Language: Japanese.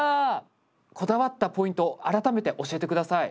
こだわったポイント改めて教えて下さい。